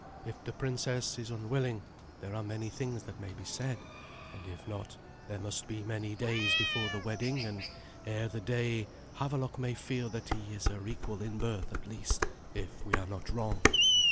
If the princess is unwilling, there are many things that may be said; and if not, there must be many days before the wedding; and, ere the day, Havelok may feel that he is her equal in birth at least, if we are not wrong.